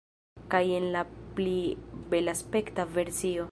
Kaj jen la pli belaspekta versio